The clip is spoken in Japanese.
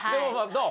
どう？